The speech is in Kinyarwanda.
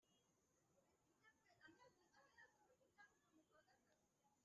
Gutinya uhoraho bitera kwishima, bikanambika ikamba ry’umunezero